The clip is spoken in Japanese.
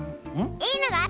いいのがあった！